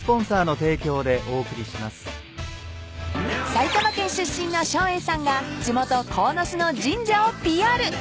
［埼玉県出身の照英さんが地元鴻巣の神社をＰＲ］